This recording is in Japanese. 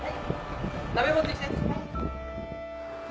鍋持って来て。